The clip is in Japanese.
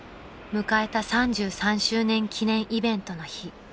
［迎えた３３周年記念イベントの日］